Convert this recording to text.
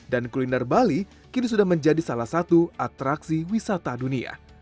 dan kuliner bali kini sudah menjadi salah satu atraksi wisata dunia